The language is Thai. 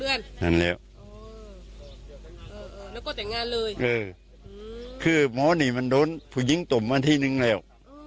แล้วก็แต่งงานเลยคือหมอนี่มันโดนผู้หญิงตุ่มมาที่นึงแล้ว